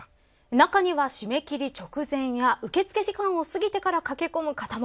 中には締め切り直前や受付時間を過ぎてから駆け込む人も。